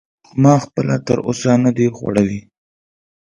ما خپله تر اوسه نه دی خوړلی.